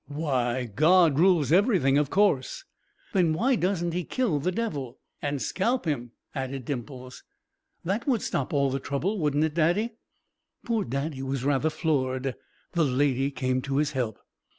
"Why, God rules everything, of course." "Then why doesn't He kill the Devil?" "And scalp him?" added Dimples. "That would stop all trouble, wouldn't it, Daddy?" Poor Daddy was rather floored. The Lady came to his help.